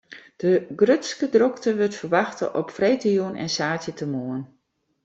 De grutste drokte wurdt ferwachte op freedtejûn en saterdeitemoarn.